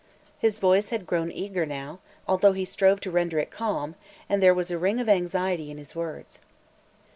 His voice had grown eager now, although he strove to render it calm, and there was a ring of anxiety in his words.